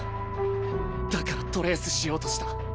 だからトレースしようとした。